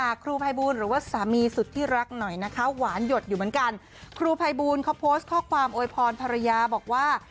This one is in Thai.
ครูภัยบูรณ์เขาโพสต์ข้อความโอยพรภรรยาบอกว่า